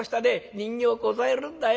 人形こさえるんだよ。